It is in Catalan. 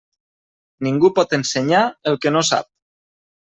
Ningú pot ensenyar el que no sap.